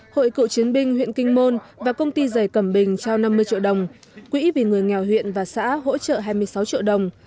hội cựu chiến binh huyện kinh môn và công ty giày cẩm bình trao năm mươi triệu đồng quỹ vì người nghèo huyện và xã hỗ trợ hai mươi sáu triệu đồng